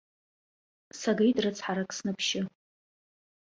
Сагеит рыцҳарак снаԥшьы.